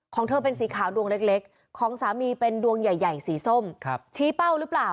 ของเธอเป็นสีขาวดวงเล็กของสามีเป็นดวงใหญ่สีส้มชี้เป้าหรือเปล่า